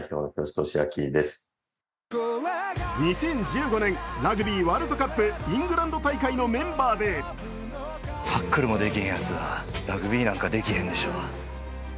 ２０１５年、ラグビーワールドカップイングランド大会のメンバーでタックルもできひんやつは、ラグビーなんかできないでしょう。